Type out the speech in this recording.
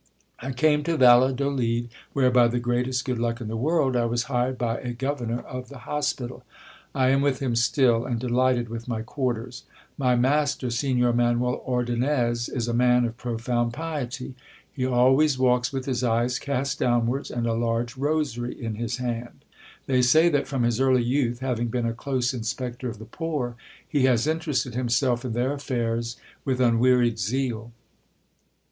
VI came to Valladolid, where, by the greatest good luck in the world, I was nired by a governor of the hospital ; I am with him still, and delighted with my quarters. My master, Signor Manuel Ordonnez, is a man of profound piety. He always walks with his eyes cast downwards, and a large rosary in his hand. They say that from his early youth, having been a close inspector of the poor, he has in terested himself in their affairs with unwearied zeal.